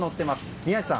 宮司さん